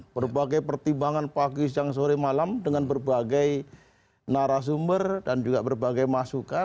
berbagai pertimbangan pagi siang sore malam dengan berbagai narasumber dan juga berbagai masukan